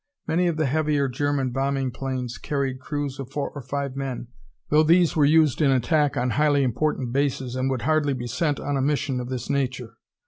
Many of the heavier German bombing planes carried crews of four or five men, though these were used in attack on highly important bases and would hardly be sent on a mission of this nature.